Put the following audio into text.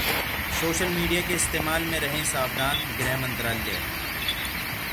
social media के इस्तेमाल में रहें सावधान: गृह मंत्रालय